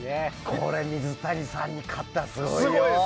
これ、水谷さんに勝ったらすごいよ。